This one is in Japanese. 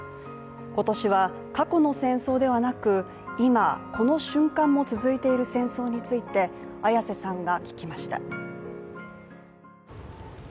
今年は過去の戦争ではなく今、この瞬間も続いている戦争について綾瀬さんが聞きました。